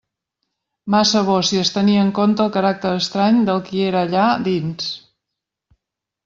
Massa bo, si es tenia en compte el caràcter estrany del qui era allà dins.